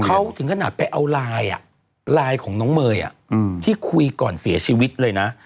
เขาถึงขนาดไปเอาไลน์ไลน์ของน้องเมย์ที่คุยก่อนเสียชีวิตเลยนะ